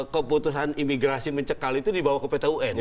keputusan imigrasi mencekal itu dibawa ke pt un